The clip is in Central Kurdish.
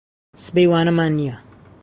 سبەی وانەمان نییە.